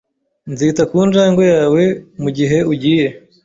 Nzita ku njangwe yawe mugihe ugiye .